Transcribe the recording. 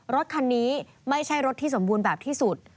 รถคันนี้ไม่ใช่รถที่สมบูรณ์แบบที่สุด